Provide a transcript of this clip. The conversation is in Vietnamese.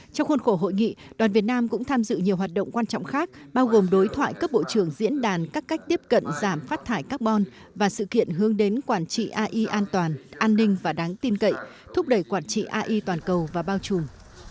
trong khuôn khổ hội nghị đoàn việt nam cũng tham dự nhiều hoạt động quan trọng khác bao gồm đối thoại các bộ trưởng diễn đàn các cách tiếp cận giảm phát thải carbon và sự kiện hướng đến quản trị ai an toàn an ninh và đáng tin cậy thúc đẩy quản trị ai toàn cầu và bao trùm